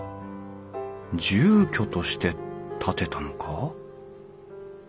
住居として建てたのか？